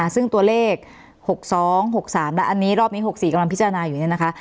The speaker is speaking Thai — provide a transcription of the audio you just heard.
ซึ่งตัวเลข๖๒๖๓และอันนี้รอบนี้๖๔กำลังพิจารณาอยู่เนี่ยนะคะ